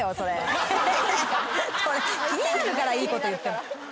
それ気になるからいいこと言っても。